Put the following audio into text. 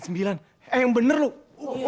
eh yang bener lo